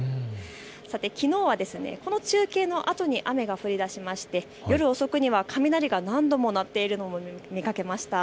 さて、きのうはこの中継のあとに雨が降りだしまして夜遅くには雷が何度も鳴っているのも見かけました。